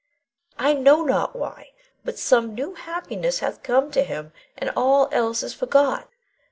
I know not why, but some new happiness hath come to him, and all else is forgot.